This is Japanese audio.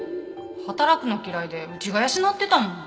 働くの嫌いでうちが養ってたもん。